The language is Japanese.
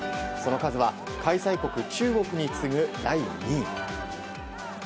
その数は開催国中国に次ぐ第２位。